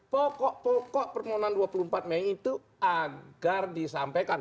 pokok pokok permohonan dua puluh empat mei itu agar disampaikan